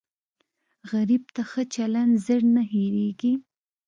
غریب ته ښه چلند زر نه هېریږي